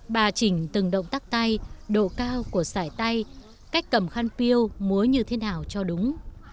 bà chỉnh từng động tác tay độ cao của sải tay cách cầm khăn piêu múa như thế nào cho đúng